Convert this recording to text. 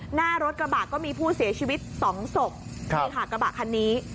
หน้ารถกระบะก็มีผู้เสียชีวิตสองศพนี่ค่ะกระบะคันนี้